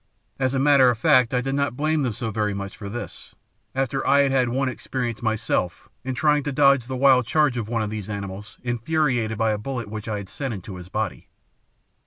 As a matter of fact I did not blame them so very much for this, after I had had one experience myself in trying to dodge the wild charge of one of these animals infuriated by a bullet which I had sent into his body.